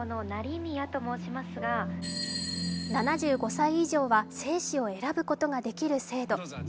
７５歳以上は生死を選ぶことができる制度、ＰＬＡＮ